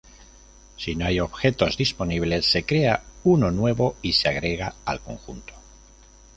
Si no hay objetos disponibles, se crea uno nuevo y se agrega al conjunto.